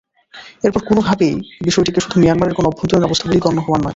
এরপর কোনোভাবেই বিষয়টিকে শুধু মিয়ানমারের কোনো অভ্যন্তরীণ অবস্থা বলেই গণ্য হওয়ার নয়।